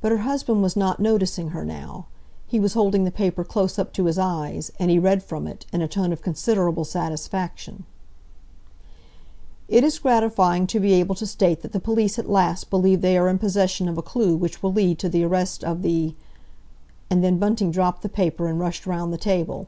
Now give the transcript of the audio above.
But her husband was not noticing her now. He was holding the paper close up to his eyes, and he read from it, in a tone of considerable satisfaction: "'It is gratifying to be able to state that the police at last believe they are in possession of a clue which will lead to the arrest of the—'" and then Bunting dropped the paper and rushed round the table.